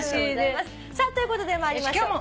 さあということで参りましょう。